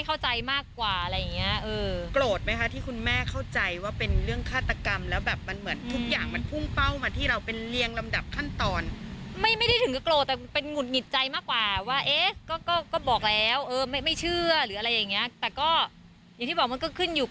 กับวิจารณญาณแต่ละคน